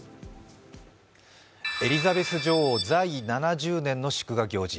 エリザベス女王在位７０年の祝賀行事。